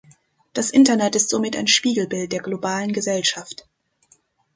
Das Internet ist somit ein Spiegelbild der globalen Gesellschaft.